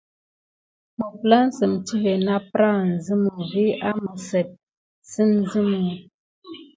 Məpplansəm tive napprahan zəmə vis amizeb sine sime.